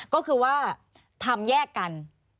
ก็คือว่าทำแยกกัน